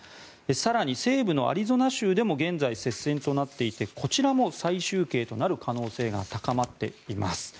更に西部のアリゾナ州でも現在、接戦となっていてこちらも再集計となる可能性が高まっています。